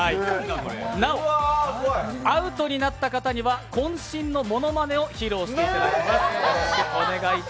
なおアウトになった方には、こん身のモノマネを披露していただきます。